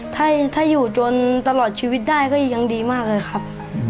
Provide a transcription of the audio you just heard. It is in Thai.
ถ้าอยู่จนตลอดชีวิตได้ก็ยังดีมากเลยครับ